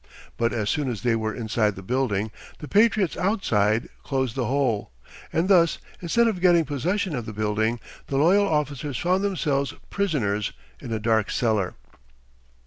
But as soon as they were inside the building, the patriots outside closed the hole; and thus, instead of getting possession of the building, the loyal officers found themselves prisoners in a dark cellar.